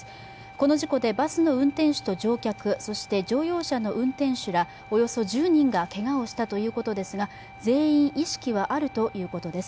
この事故でバスの運転手と乗客そして、乗用車の運転手らおよそ１０人がけがをしたということですが、全員意識はあるということです。